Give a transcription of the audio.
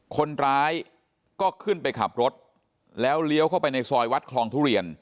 คนร้ายก็ขึ้นไปขับรถแล้วเลี้ยวเข้าไปในซอยวัดคลองทุเรียน